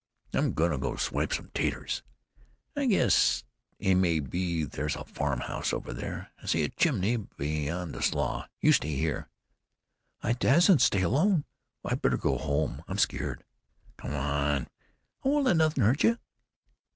"I'm going to go and swipe some 'taters. I guess maybe there's a farm house over there. I see a chimbly beyond the slough. You stay here." "I dassn't stay alone. Oh, I better go home. I'm scared." "Come on. I won't let nothing hurt you."